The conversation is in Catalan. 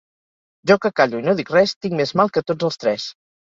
Jo que callo i no dic res, tinc més mal que tots els tres.